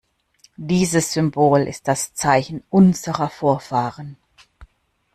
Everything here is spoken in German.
Dieses Symbol ist das Zeichen unserer Vorfahren.